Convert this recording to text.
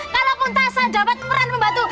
kalaupun takasa dapat peran membantu